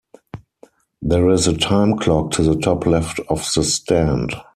There is a time clock to the top left of the stand.